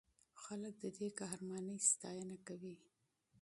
خلک د دې قهرمانۍ ستاینه کوي.